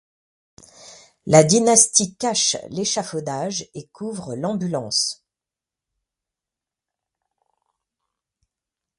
La dynastie cache l’échafaudage et couvre l’ambulance.